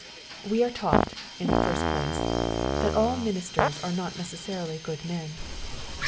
We are taught, in the first place, that cUl ministers are not necessarily good men.